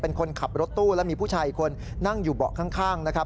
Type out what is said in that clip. เป็นคนขับรถตู้มีผู้ชายคนนั่งอยู่เบาะข้าง